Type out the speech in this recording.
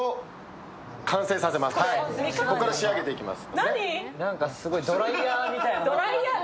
ここから仕上げていきます。